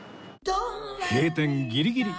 閉店ギリギリ。